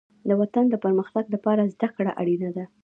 د وطن د پرمختګ لپاره زدهکړه اړینه ده.